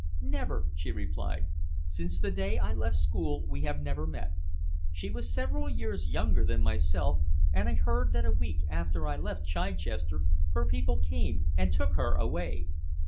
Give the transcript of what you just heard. "Never," she replied. "Since the day I left school we have never met. She was several years younger than myself, and I heard that a week after I left Chichester her people came and took her away.